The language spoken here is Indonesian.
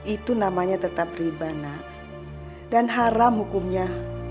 itu namanya tetap riba nak dan haram hukumnya